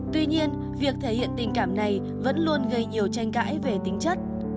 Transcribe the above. tuy nhiên việc thể hiện tình cảm này vẫn luôn gây nhiều tranh cãi về tính chất